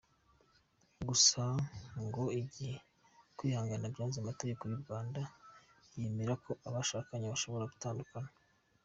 Gusa ngo igihe kwihangana byanze, amategeko y’u Rwanda yemera ko abashakanye bashobora gutandukana.